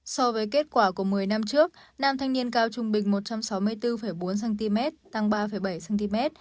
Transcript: so với kết quả của một mươi năm trước nam thanh niên cao trung bình một trăm sáu mươi bốn bốn cm tăng ba bảy cm